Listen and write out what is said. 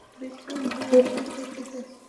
বিক্রম - ভাই, ওকে যেতে দে।